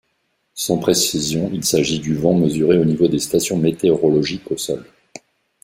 Sans précision il s'agit du vent mesuré au niveau des stations météorologiques au sol.